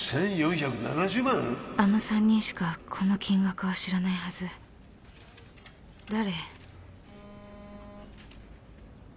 あの３人しかこの金額は知らないはず誰？